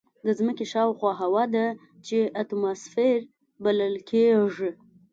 د ځمکې شاوخوا هوا ده چې اتماسفیر بلل کېږي.